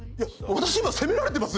私今責められてます？